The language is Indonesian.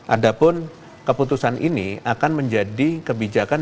adapun keputusan ini akan menjadi kebijakan dari masing masing pemerintahan